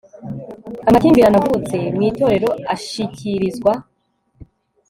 amakimbirane avutse mu itorero ashikirizwa